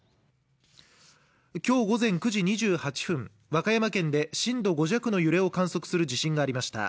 今日午前９時２８分、和歌山県で震度５弱の揺れを観測する地震がありました